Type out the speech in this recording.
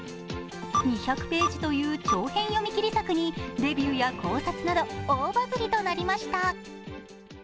２００ページという長編読み切り作にレビューや考察など大バズりとなりました。